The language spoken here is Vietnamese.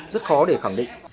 rất khó để khẳng định